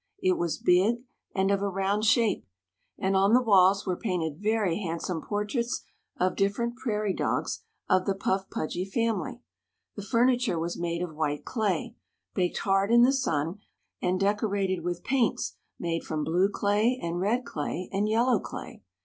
It was big, and of a round shape, and on the walls were painted very handsome portraits of different prairie dogs of the Puff Pudgy family. The furniture was made of white clay, baked hard in the sun and decorated with paints made from blue clay and red clay and yellow clay.